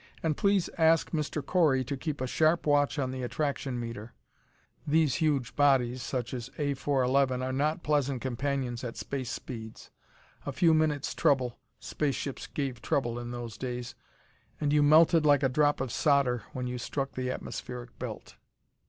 "And please ask Mr. Correy to keep a sharp watch on the attraction meter." These huge bodies such as A 411 are not pleasant companions at space speeds. A few minute's trouble space ships gave trouble, in those days and you melted like a drop of solder when you struck the atmospheric belt.